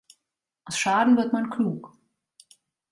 Aus Schaden wird man klug.